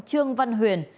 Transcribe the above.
trương văn huyền